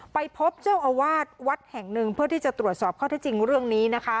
ไปพบเจ้าอาวาสวัดแห่งหนึ่งเพื่อที่จะตรวจสอบข้อที่จริงเรื่องนี้นะคะ